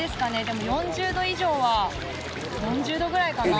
でも４０度以上は４０度ぐらいかな？